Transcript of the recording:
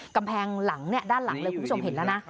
กำแพงหลังด้านหลังเลยคุณผู้ชมเห็นแล้วนะ